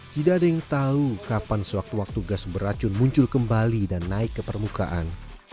tidak ada yang tahu kapan sewaktu waktu gas beracun muncul kembali dan naik ke permukaan